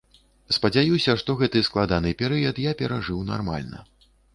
Спадзяюся, што гэты складаны перыяд я перажыў нармальна.